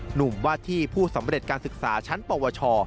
หนุ่มวาดที่ผู้สำเร็จการศึกษาชั้นปวช